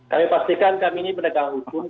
kami pastikan kami ini penegak hukum